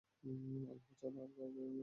আল্লাহ ছাড়া তার আর কেউ নেই।